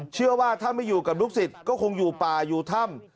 เชื่อว่าถ้าไม่อยู่กับลูกศิษย์ก็คงอยู่ป่าอยู่ถ้ำ